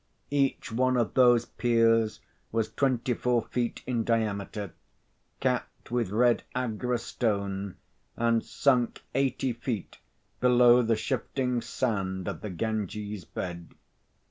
Each one of those piers was twenty four feet in diameter, capped with red Agra stone and sunk eighty feet below the shifting sand of the Ganges' bed.